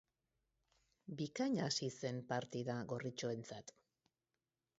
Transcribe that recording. Bikain hasi zen partida gorritxoentzat.